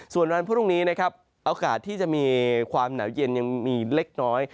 ส่วนวันพรุ่งนี้นะครับโอกาสที่จะมีความหนาวเย็นยังมีเล็กน้อย